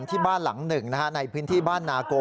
ที่บ้านหลังหนึ่งในพื้นที่บ้านนาโก